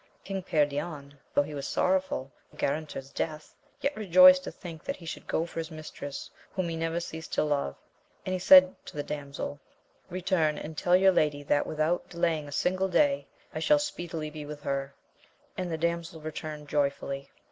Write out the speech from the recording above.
King Perion though he was sorrowful for Garinter's death, yet rejoiced to think that he should go for his mistress whom he never ceased to love ; and he said to the damsel, Eetum and tell your lady that mthout dda. ^^ z. ^m^U day^ I AMADIS OF GAUL. 23 shall speedily be with her ; and the damsel returned joyfully.